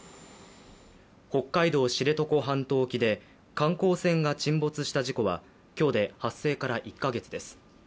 北海道・知床半島沖で観光船が沈没した事故から今日で発生から１カ月です。